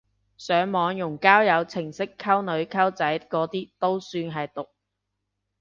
上網用交友程式溝女溝仔嗰啲都算係毒！